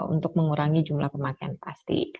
untuk mengurangi jumlah pemakaian pasti